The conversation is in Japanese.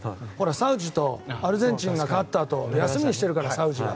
サウジとアルゼンチン勝ったあとに休みにしてるからサウジは。